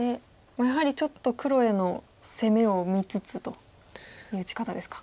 やはりちょっと黒への攻めを見つつという打ち方ですか。